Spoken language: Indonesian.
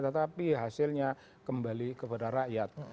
tetapi hasilnya kembali kepada rakyat